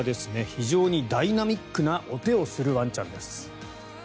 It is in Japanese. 非常にダイナミックなお手をするワンちゃんです。